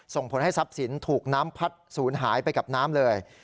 ส่งผลให้ทรัพย์สินถูกน้ำพัดศูนย์หายไปกับน้ำเลย